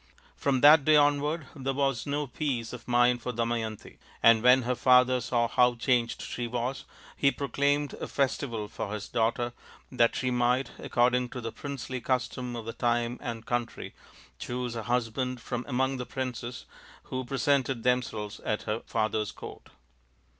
From that day onward there was no peace of mind for Damayanti ; and when her father saw how changed she was, he proclaimed a festival for his daughter, that she might, according to the princely custom of the time and country, choose a husband from among the princes who presented themselves at her father's court.